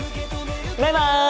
バイバイ！